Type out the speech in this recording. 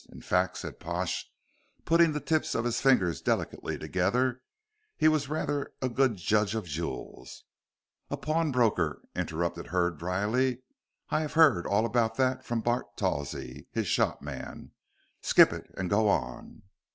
In fact," said Pash, putting the tips of his fingers delicately together, "he was rather a good judge of jewels." "And a pawnbroker," interrupted Hurd, dryly. "I have heard all about that from Bart Tawsey, his shopman. Skip it and go on."